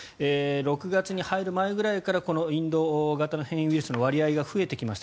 ６月に入る前ぐらいからこのインド型の変異ウイルスの割合が増えてきました。